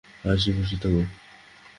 হাসি খুশি থাকো।